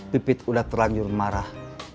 pipit udah terlanjur marah